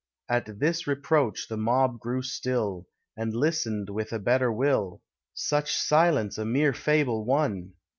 At this reproach the mob grew still, And listen'd with a better will: Such silence a mere fable won!